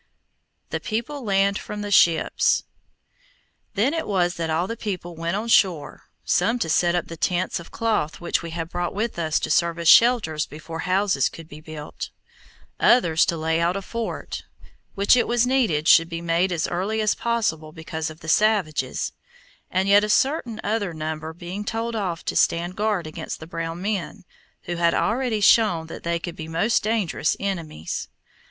THE PEOPLE LAND FROM THE SHIPS Then it was that all the people went on shore, some to set up the tents of cloth which we had brought with us to serve as shelters before houses could be built; others to lay out a fort, which it was needed should be made as early as possible because of the savages, and yet a certain other number being told off to stand guard against the brown men, who had already shown that they could be most dangerous enemies.